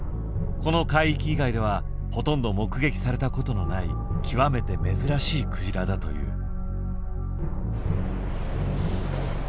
この海域以外ではほとんど目撃されたことのない極めて珍しいクジラだという。